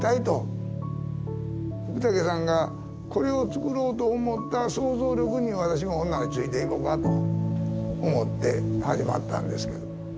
福武さんがこれをつくろうと思った想像力に私もほんならついていこかと思って始まったんですけど。